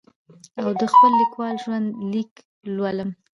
او د خپل لیکوال ژوند لیک لولم.